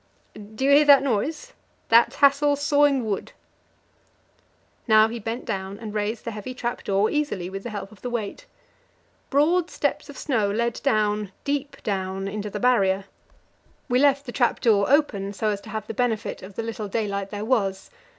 "Do you hear that noise? That's Hassel sawing wood." Now he bent down and raised the heavy trap door easily with the help of the weight. Broad steps of snow led down, deep down, into the Barrier. We left the trap door open, so as to have the benefit of the little daylight there was.